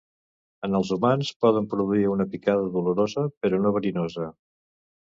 En els humans poden produir una picada dolorosa, però no verinosa.